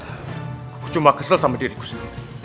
aku cuma kesel sama diriku sendiri